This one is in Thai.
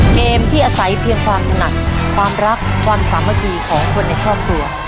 เกมที่อาศัยเพียงความถนัดความรักความสามัคคีของคนในครอบครัว